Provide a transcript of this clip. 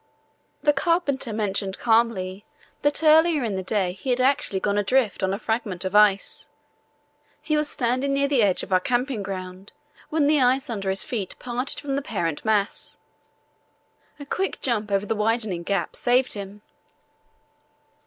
The carpenter mentioned calmly that earlier in the day he had actually gone adrift on a fragment of ice. He was standing near the edge of our camping ground when the ice under his feet parted from the parent mass. A quick jump over the widening gap saved him.